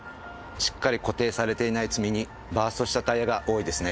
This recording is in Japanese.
しっかり固定されていない積み荷バーストしたタイヤが多いですね。